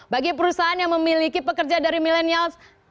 bagi perusahaan yang memiliki pekerja dari millennials